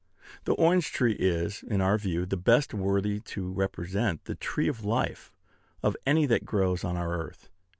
The orange tree is, in our view, the best worthy to represent the tree of life of any that grows on our earth.